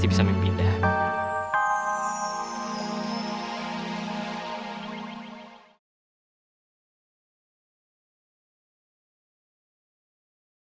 biasanya lo tuh nunduk salting bengong